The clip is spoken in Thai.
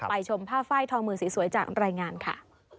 ชมผ้าไฟล์ทองมือสีสวยจากรายงานค่ะ